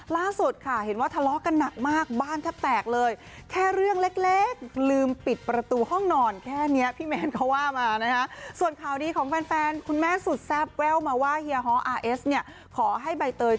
ล่าสุดค่ะเห็นว่าทะเลาะกันหนักมากบ้านแทบแตกเลย